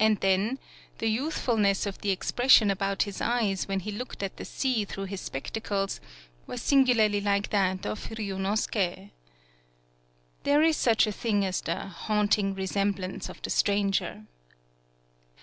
And then, the youthfulness of the expres 147 PAULOWNIA sion about his eyes when he looked at the sea through his spectacles, was sin gularly like that of Ryunosuke. There is such a thing as the "haunting resem blance of the stranger."